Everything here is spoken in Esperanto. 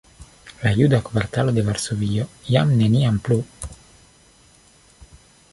La juda kvartalo de Varsovio jam neniam plu!